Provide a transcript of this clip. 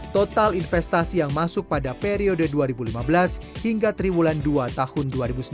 total investasi yang masuk pada periode dua ribu lima belas hingga triwulan dua tahun dua ribu sembilan belas